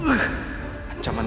aku gak peduli